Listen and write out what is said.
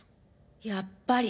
やっぱり！